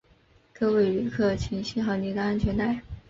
各位旅客请系好你的安全带